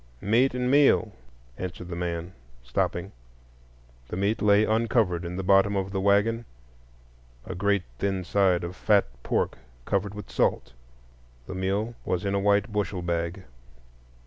"Meat and meal," answered the man, stopping. The meat lay uncovered in the bottom of the wagon,—a great thin side of fat pork covered with salt; the meal was in a white bushel bag.